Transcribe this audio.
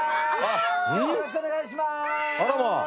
よろしくお願いします。